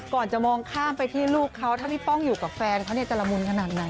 ก่อนจะมองข้ามไปที่ลูกเขาถ้าพี่ป้องอยู่กับแฟนเขาเนี่ยจะละมุนขนาดไหน